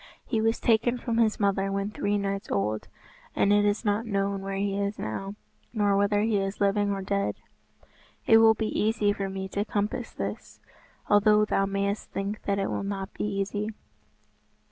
He was taken from his mother when three nights old, and it is not known where he is now, nor whether he is living or dead." "It will be easy for me to compass this, although thou mayest think that it will not be easy."